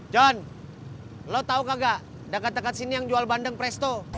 john lo tahu kagak dekat dekat sini yang jual bandeng presto